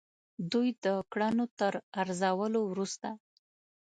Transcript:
دوی د کړنو تر ارزولو وروسته.